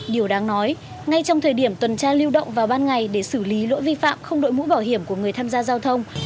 điều đáng nói ngay trong thời điểm tuần tra lưu động vào ban ngày để xử lý lỗi vi phạm không đội mũ bảo hiểm của người tham gia giao thông